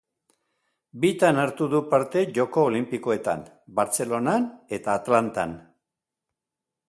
Bitan hartu du parte Joko Olinpikoetan: Bartzelonan eta Atlantan.